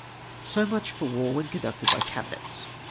So nmch for war when conducted by cabinets